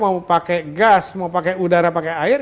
mau pakai gas mau pakai udara pakai air